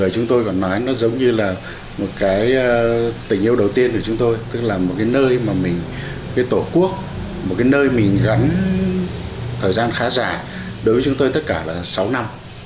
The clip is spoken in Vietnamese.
thời gian khá dài đối với chúng tôi tất cả là sáu năm